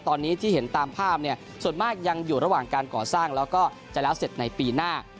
ตอนนี้ที่เห็นตามภาพเนี่ยส่วนมากยังอยู่ระหว่างการก่อสร้างแล้วก็จะแล้วเสร็จในปีหน้า